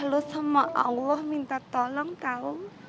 lo sama allah minta tolong tau